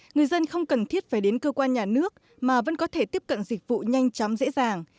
người dân không cần thiết phải đến cơ quan nhà nước mà vẫn có thể tiếp cận dịch vụ nhanh chóng dễ dàng